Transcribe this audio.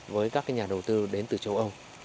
với các nhà đầu tư đến từ châu âu